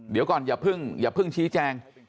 เดี๋ยวก่อนอย่าเพิ่งชี้แจง